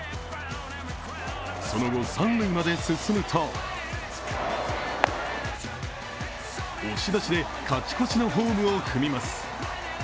その後、三塁まで進むと押し出しで勝ち越しのホームを踏みます。